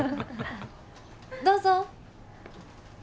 どうぞ。